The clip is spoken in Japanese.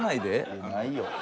いやないよ。